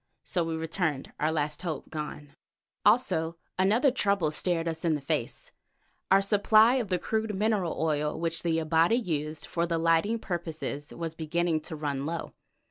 So we returned, our last hope gone. Also another trouble stared us in the face; our supply of the crude mineral oil which the Abati used for lighting purposes was beginning to run low.